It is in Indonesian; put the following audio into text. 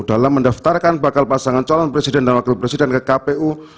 dalam mendaftarkan bakal pasangan calon presiden dan wakil presiden ke kpu